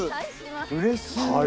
うれしい。